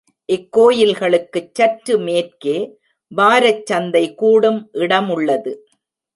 இக் கோயில்களுக்குச் சற்று மேற்கே, வாரச் சந்தை கூடும் இடமுள்ளது.